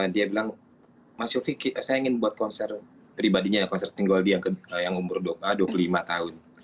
dia bilang mas yofi saya ingin buat konser pribadinya ya konser tinggal dia yang umur dua puluh lima tahun